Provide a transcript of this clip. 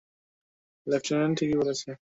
Lieutenant ঠিকই বলেছে।